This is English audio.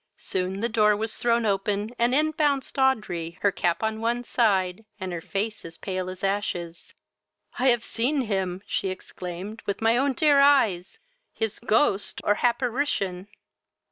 Soon the door was thrown open, and in bounced Audrey, her cap on one side, and her face as pale as ashes. "I have seen him, (she exclaimed,) with my own dear eyes! his ghost, or happorition!"